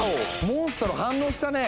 モンストロ反応したね！